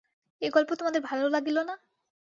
এ গল্প তোমাদের ভালো লাগিল না?